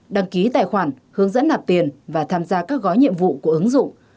đăng ký tài khoản hướng dẫn nạp tiền và tham gia các gói nhiệm vụ của ứng dụng